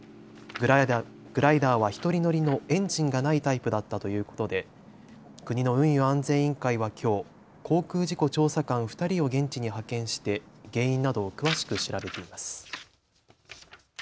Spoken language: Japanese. グライダーは１人乗りのエンジンがないタイプだったということで国の運輸安全委員会はきょう航空事故調査官２人を現地に派遣して原因などを詳しく調べています。